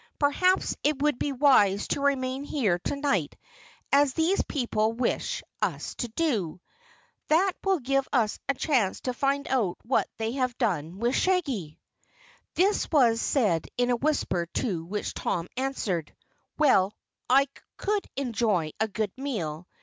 Perhaps it would be wise to remain here tonight as these people wish us to do. That will give us a chance to find out what they have done with Shaggy." This was said in a whisper, to which Tom answered: "Well, I could enjoy a good meal.